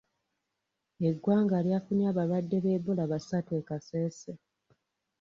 Eggwanga lyafunye abalwadde ba Ebola basatu e Kasese.